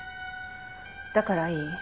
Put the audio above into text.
だからいい？